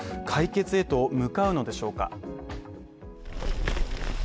解決へと向かうのでしょうか。